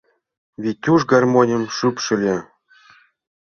Витюш гармоньым шупшыльо.